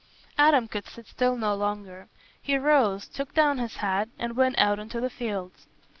Adam could sit still no longer. He rose, took down his hat, and went out into the fields.